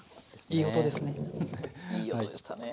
いい音でしたね。